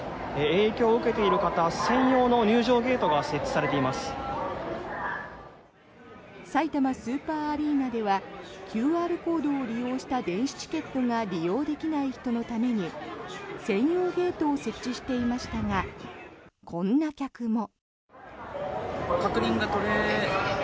さいたまスーパーアリーナではＱＲコードを利用した電子チケットが利用できない人のために専用ゲートを設置していましたがこんな客も。